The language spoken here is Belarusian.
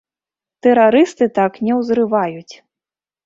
Тэрарысты так не узрываюць!